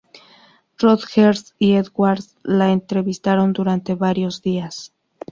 Rodgers y Edwards la entrevistaron durante varios días.